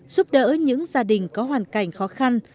giúp đỡ những gia đình có hoàn cảnh khó khăn